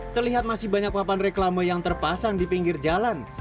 terlihat masih banyak papan reklame yang terpasang di pinggir jalan